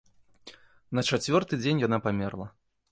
На чацвёрты дзень яна памерла.